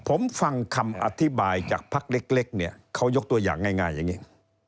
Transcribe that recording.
ผมฟังคำอธิบายจากภักดิ์เล็กเนี่ยเขายกตัวอย่างง่ายอย่างนี้